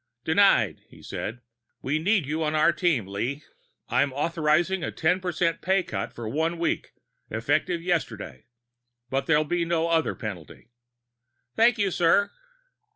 "Denied," he said. "We need you on our team, Lee. I'm authorizing a ten percent pay cut for one week, effective yesterday, but there'll be no other penalty." "Thank you, sir."